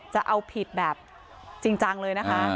จะเอาผิดแบบจริงจังเลยนะคะ